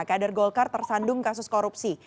kader golkar tersandung kasus korupsi